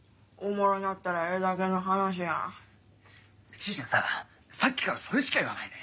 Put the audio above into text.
しずちゃんささっきからそれしか言わないね。